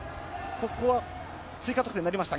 ここは追加得点になりました。